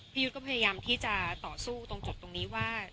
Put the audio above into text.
ยุทธก็พยายามที่จะต่อสู้ตรงจุดตรงนี้ว่า